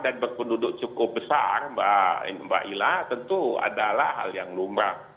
berpenduduk cukup besar mbak ila tentu adalah hal yang lumrah